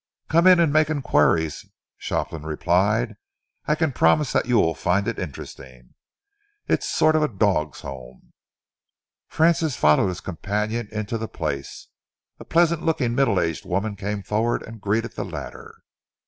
"Come in and make enquiries," Shopland replied. "I can promise that you will find it interesting. It's a sort of dog's home." Francis followed his companion into the place. A pleasant looking, middle aged woman came forward and greeted the latter.